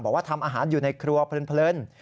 บอกว่าทำอาหารอยู่ในครัวเพลิน